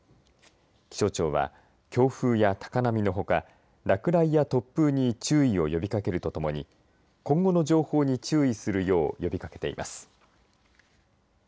気象庁は、強風や高波のほか落雷や突風に注意を呼びかけるとともに今後の情報に注意するよう呼びかけています。